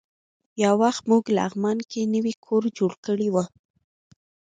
یو وخت موږ لغمان کې نوی کور جوړ کړی و.